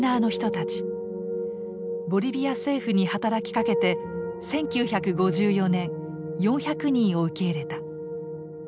ボリビア政府に働きかけて１９５４年４００人を受け入れた。